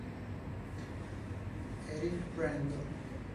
Eric Brandon